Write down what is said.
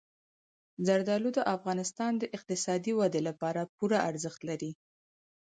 زردالو د افغانستان د اقتصادي ودې لپاره پوره ارزښت لري.